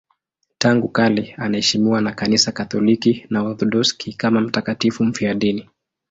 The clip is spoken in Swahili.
Tangu kale anaheshimiwa na Kanisa Katoliki na Waorthodoksi kama mtakatifu mfiadini.